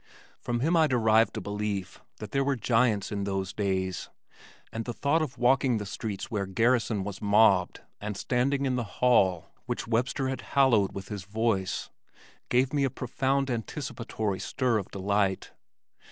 From him I derived a belief that there were giants in those days and the thought of walking the streets where Garrison was mobbed and standing in the hall which Webster had hallowed with his voice gave me a profound anticipatory stir of delight.